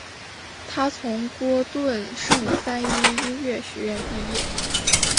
他从伦敦圣三一音乐学院毕业。